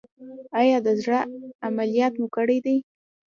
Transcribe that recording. ایا د زړه عملیات مو کړی دی؟